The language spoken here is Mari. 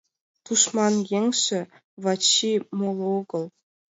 Тушман еҥже — Вачи, моло огыл.